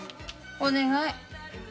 お願い。